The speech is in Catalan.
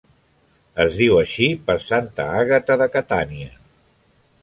Es diu així per Santa Àgata de Catània.